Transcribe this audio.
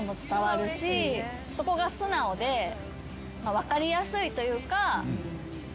分かりやすいというか。